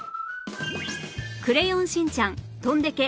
クレヨンしんちゃんとんでけ！